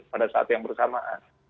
pada saat yang bersamaan